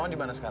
ya kasih stir